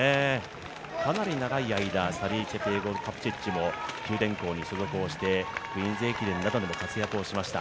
かなり長い間、サリーチェピエゴ・カプチッチも、九電工に所属をしてクイーンズ駅伝などでも活躍をしました。